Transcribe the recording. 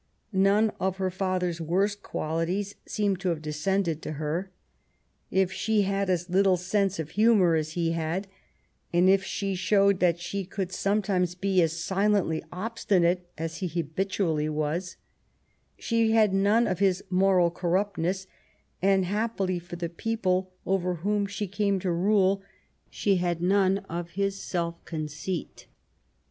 None of her father's worst qualities seem to have descended to her. If she had as little sense of humor as he had, and if she showed that she could some times be as silently obstinate as he habitually was, she had none of his moral corruptness, and, happily for the people over whom she came to rule, she had none of his self conceit.